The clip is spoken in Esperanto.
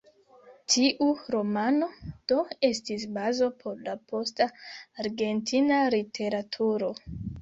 Tiu romano, do, estis bazo por la posta argentina literaturo.